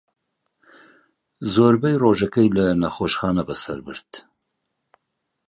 زۆربەی ڕۆژەکەی لە نەخۆشخانە بەسەر برد.